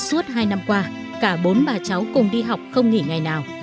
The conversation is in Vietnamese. suốt hai năm qua cả bốn bà cháu cùng đi học không nghỉ ngày nào